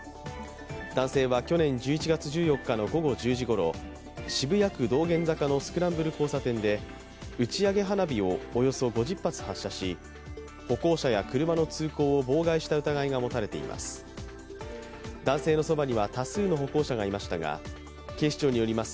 男性は、去年１１月１４日の午後１０時ごろ渋谷区道玄坂のスクランブル交差点で打ち上げ花火をおよそ５０発発射し、歩行者や車の通行を妨害した疑いが持たれています。